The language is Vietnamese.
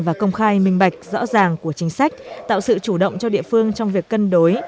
và công khai minh bạch rõ ràng của chính sách tạo sự chủ động cho địa phương trong việc cân đối